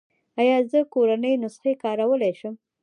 ایا زه کورنۍ نسخې کارولی شم؟